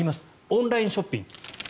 オンラインショッピング。